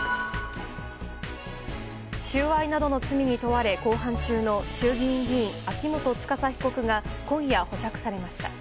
収賄などの罪に問われ公判中の衆議院議員・秋元司被告が今夜、保釈されました。